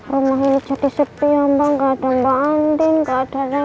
rumah ini jadi sepi ya mbak gak ada mbak andin gak ada reina